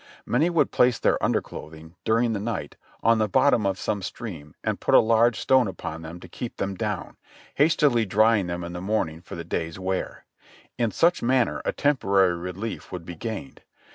Many would place their underclothing, during the night, on the bottom of some stream and put a large stone upon them to keep them down, hastily drying them in the morning for the day's wear. In such manner a temporary relief would be gained.